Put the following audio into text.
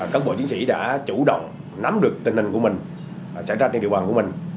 các bộ chiến sĩ đã chủ động nắm được tình hình của mình xảy ra trên địa bàn của mình